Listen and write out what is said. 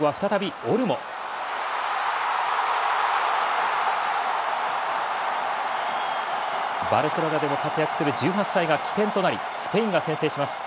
バルセロナでも活躍する１８歳が起点となりスペインが先制します。